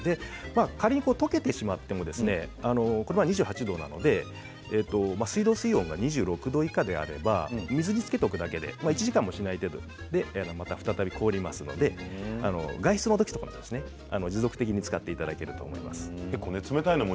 仮にとけてしまってもこの場合、２８度ですので水道水温が２６度以下であれば水につけておくだけで１時間もしない程度でまた再び凍りますので外出の時とか持続的に使っていただけると思います。